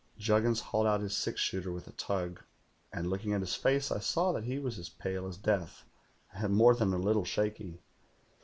"Juggins hauled out his six shooter with a tug, and looking at his face, I saw that he was as pale as death and more than a little shaky.